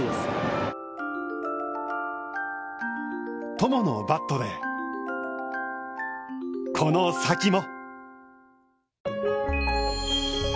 友のバットで、この先も。